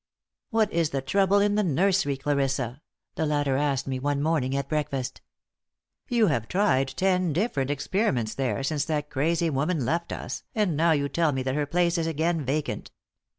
"What is the trouble in the nursery, Clarissa?" the latter asked me one morning at breakfast. "You have tried ten different experiments there since that crazy woman left us, and now you tell me that her place is again vacant.